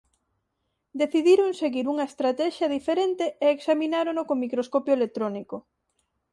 Decidiron seguir unha estratexia diferente e examinárono con microscopio electrónico.